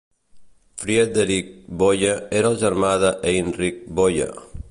Friedrich Boie era el germà de Heinrich Boie.